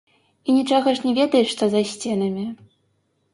І нічога ж не ведаеш што за сценамі.